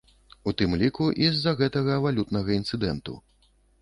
У тым ліку і з-за гэтага валютнага інцыдэнту.